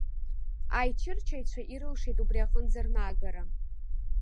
Аичырчаҩцәа ирылшеит убри аҟынӡа рнагара.